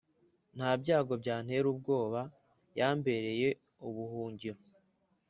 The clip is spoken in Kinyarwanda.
Ntabyago byantera ubwoba yambereye ubuhungiro